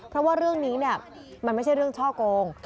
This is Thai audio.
เพราะว่าเรื่องนี้มันไม่ใช่เรื่องช่อโกง